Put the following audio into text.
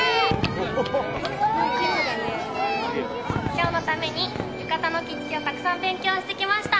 今日のために浴衣の着付けをたくさん勉強してきました。